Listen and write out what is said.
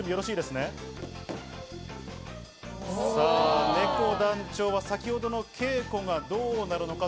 ねこ団長は先ほどの稽古がどうなるのか？